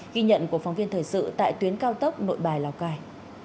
ghi nhận của phóng viên thời sự tại tuyến cao tốc nội bài lào cai